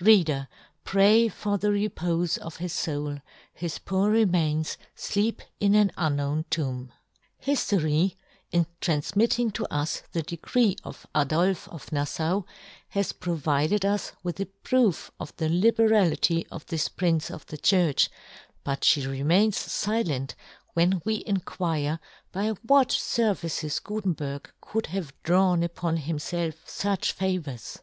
Reader, pray for the repofe of his foul : his poor remains fleep in an unknown tomb. ISTORY, in tranfmitting to us the decree of Adolfe of Naflau, has provided us with a proof of the libe rahty of this Prince of the Church, but fhe remains filent when we in quire by what fervices Gutenberg could have drawn upon himfelf fuch favours.